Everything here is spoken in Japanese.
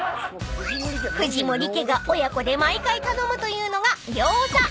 ［藤森家が親子で毎回頼むというのがぎょうざ］